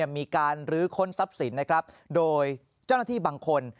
มีการลื้อค้นทรัพย์สินนะครับโดยเจ้าหน้าที่บางคน